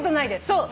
そう。